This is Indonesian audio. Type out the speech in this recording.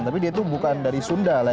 tapi dia itu bukan dari sunda lah